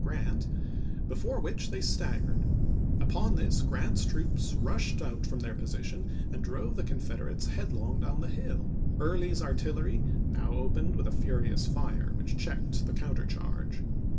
] Grant — before which they staggered; upon this Grant's troops rushed out from their position and drove the Con federates headlong down the hill ; Early's artillery now opened with a furious fire, which checked the counter charge.